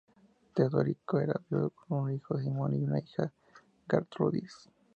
Teodorico era viudo con un hijo Simón, y una hija Gertrudis.